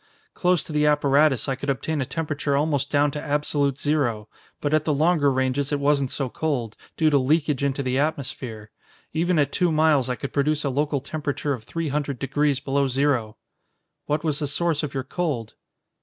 Close to the apparatus, I could obtain a temperature almost down to absolute zero, but at the longer ranges it wasn't so cold, due to leakage into the atmosphere. Even at two miles I could produce a local temperature of three hundred degrees below zero." "What was the source of your cold?"